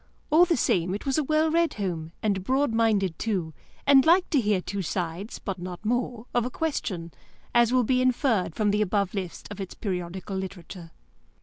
All the same, it was a well read home, and broad minded, too, and liked to hear two sides (but not more) of a question, as will be inferred from the above list of its periodical literature.